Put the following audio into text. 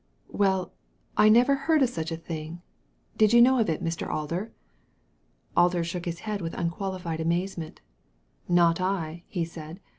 Well, I never heard of such a thing. Did you knowofit, Mr. Alder?" Alder shook his head with unqualified amazement *'Not I!" he said.